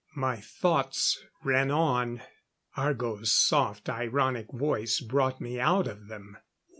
My thoughts ran on. Argo's soft, ironic voice brought me out of them.